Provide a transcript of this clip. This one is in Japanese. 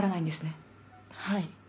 はい。